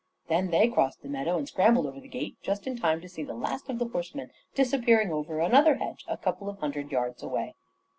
Then they crossed the meadow and scrambled over the gate just in time to see the last of the horsemen disappearing over another hedge a couple of hundred yards away.